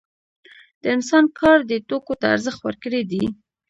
د انسان کار دې توکو ته ارزښت ورکړی دی